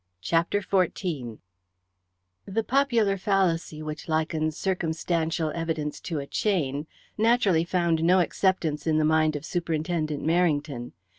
CHAPTER XIV The popular fallacy which likens circumstantial evidence to a chain naturally found no acceptance in the mind of Superintendent Merrington.